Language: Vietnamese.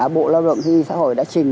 bộ lao động thì xã hội đã trình